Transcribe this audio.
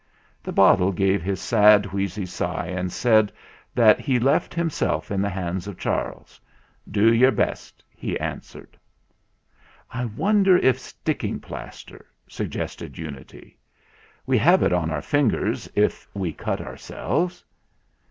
The bottle gave his sad wheezy sigh and said that he left himself in the hands of Charles. "Do your best," he answered. "I wonder if sticking plaster ?" suggested Unity. "We have it on our fingers if we cut ourselves."